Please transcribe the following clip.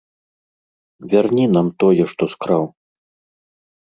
Вярні нам тое, што скраў.